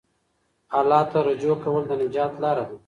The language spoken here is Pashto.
الله ته رجوع کول د نجات لاره ده.